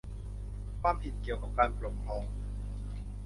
ความผิดเกี่ยวกับการปกครอง